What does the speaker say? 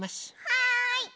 はい。